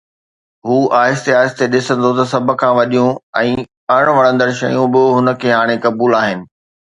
هو آهستي آهستي ڏسندو ته سڀ کان وڏيون ۽ اڻ وڻندڙ شيون به هن کي هاڻي قبول آهن